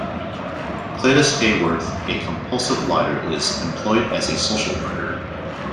Cletus Hayworth, a compulsive liar, is employed as a social worker.